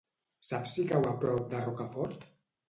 Saps si cau a prop de Rocafort?